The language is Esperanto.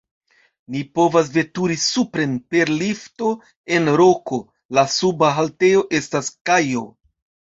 Ni povas veturi supren per lifto en roko, la suba haltejo estas kajo.